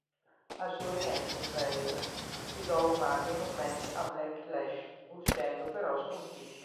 Al suo rientro Flair sfidò Umaga in un match a Backlash, uscendo però sconfitto.